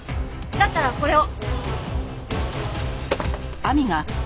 だったらこれを。